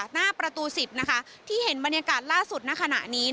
หน้าประตู๑๐ที่เห็นบรรยากาศล่าสุดณขณะนี้